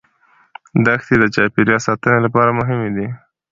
دښتې د چاپیریال ساتنې لپاره مهمې دي.